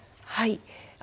はい。